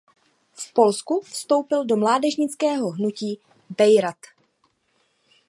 V Polsku vstoupil do mládežnického hnutí Bejtar.